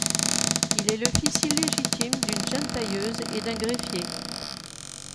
Il est le fils illégitime d’une jeune tailleuse et d’un greffier.